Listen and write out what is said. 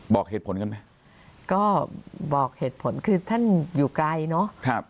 บอกเหตุผลกันไหมก็บอกเหตุผลคือท่านอยู่ไกลเนอะครับ